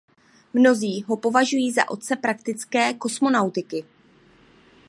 Mnozí ho považují za otce praktické kosmonautiky.